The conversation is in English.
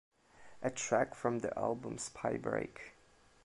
A track from the album, Spybreak!